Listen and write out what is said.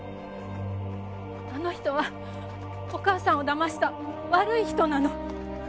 あの人はお母さんを騙した悪い人なの。